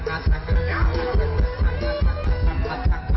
โอ้โอ้